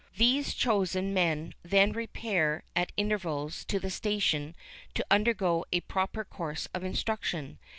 These chosen men then repair at intervals to the station to undergo a proper course of instruction.